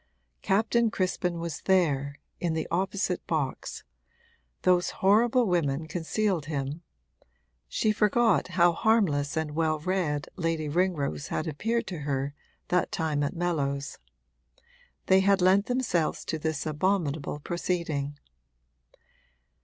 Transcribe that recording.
Captain Crispin was there, in the opposite box; those horrible women concealed him (she forgot how harmless and well read Lady Ringrose had appeared to her that time at Mellows); they had lent themselves to this abominable proceeding.